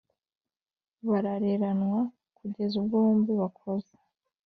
barareranwa, kugeza ubwo bombi bakuze,